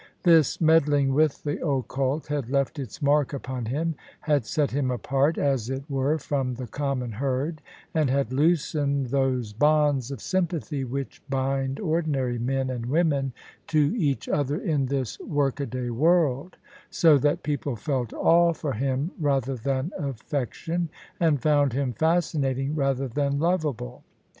This meddling with the occult had left its mark upon him; had set him apart, as it were, from the common herd, and had loosened those bonds of sympathy which bind ordinary men and women to each other in this workaday world: so that people felt awe for him rather than affection, and found him fascinating rather than lovable.